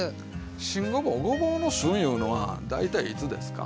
新ごぼうごぼうの旬いうのは大体いつですか？